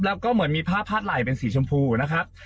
แล้วก็เหมือนมีผ้าพาดไหล่เป็นสีชมพูนะครับ